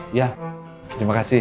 iya terima kasih